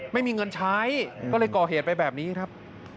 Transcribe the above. ไม่มีเงินใช้ก็เลยก่อเหตุไปแบบนี้ครับ